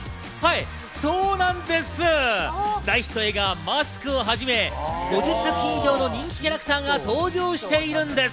そうなんです、大ヒット映画『マスク』をはじめ、５０作品以上の人気キャラクターが登場しているんです。